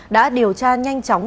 đã điều tra nhanh chóng